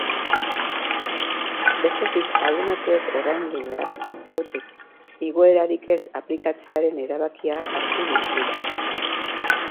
Bestetik, abonatuek ordaindu beharreko kuotek igoerarik ez aplikatzearen erabakia hartu du klubak.